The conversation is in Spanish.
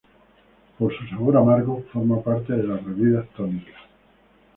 Por su sabor amargo, forma parte de bebidas tónicas.